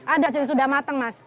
ada sudah matang mas